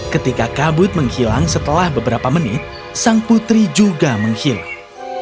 ketika kabut menghilang setelah beberapa menit sang putri juga menghilang